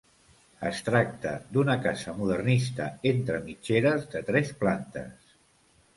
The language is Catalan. Es tracta d'una casa modernista, entre mitgeres, de tres plantes.